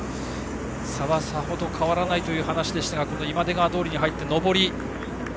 差はさほど変わらないという話でしたが今出川通に入って、上りです。